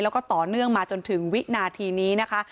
แล้วก็ต่อเนื่องมาจนถึงวินาทีนี้นะคะ